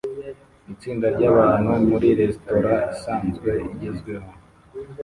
Itsinda ryabantu muri resitora isanzwe igezweho